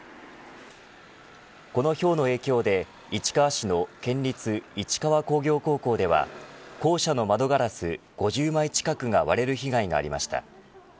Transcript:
このひょうの影響で市川市の県立市川工業高校では校舎の窓ガラス５０枚近くが割れる被害がありました。